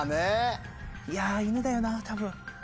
いや犬だよな多分。